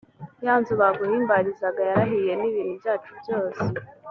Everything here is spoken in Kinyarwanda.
ya nzu baguhimbarizaga yarahiye n’ibintu byacu byose